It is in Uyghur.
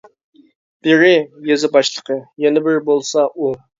بىرى، يېزا باشلىقى، يەنە بىرى بولسا ئۇ.